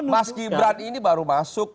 mas gibran ini baru masuk